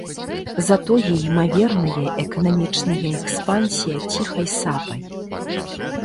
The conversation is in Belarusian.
Затое імаверная эканамічная экспансія ціхай сапай.